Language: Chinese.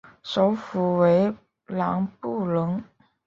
首府为朗布隆。